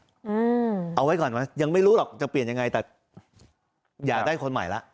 เอาไว้ก่อนไหมยังไม่รู้หรอกจะเปลี่ยนยังไงแต่อยากได้คนใหม่แล้ว